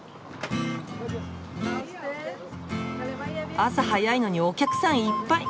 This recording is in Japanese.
朝早いのにお客さんいっぱい！